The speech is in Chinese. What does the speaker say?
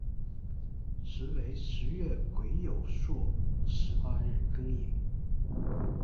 时为十月癸酉朔十八日庚寅。